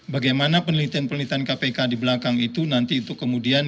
bagaimana penelitian penelitian kpk di belakang itu nanti itu kemudian